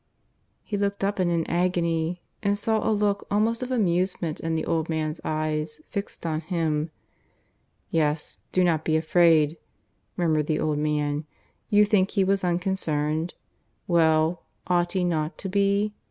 ." He looked up in an agony, and saw a look almost of amusement in the old man's eyes fixed on him. "Yes, do not be afraid," murmured the old man. "You think he was unconcerned? Well, ought he not to be?